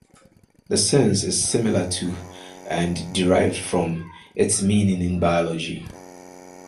This sense is similar to, and derived from, its meaning in biology.